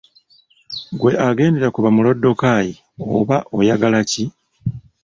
Ggwe agendera ku ba Mulooddokayi oba oyagala ki?”